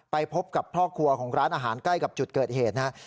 พบกับพ่อครัวของร้านอาหารใกล้กับจุดเกิดเหตุนะครับ